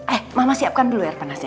eh mama siapkan dulu air panasnya